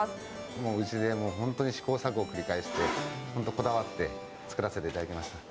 もううちでもう、試行錯誤を繰り返して、本当、こだわって作らせていただきました。